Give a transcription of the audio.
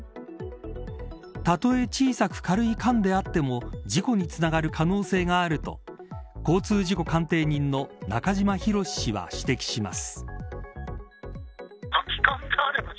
たとえ小さく軽い缶であっても事故につながる可能性があると交通事故鑑定人の中島博史氏は指摘します。